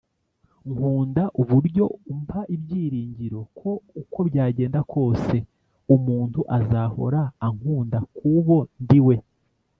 nkunda uburyo umpa ibyiringiro ko uko byagenda kose umuntu azahora ankunda kubo ndiwe.